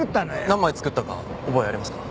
何枚作ったか覚えありますか？